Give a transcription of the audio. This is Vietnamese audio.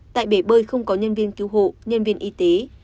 tại bể bơi không có nhân viên cứu hộ nhân viên y tế